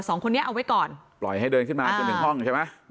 สองคนนี้เอาไว้ก่อนปล่อยให้เดินขึ้นมาจนถึงห้องใช่ไหม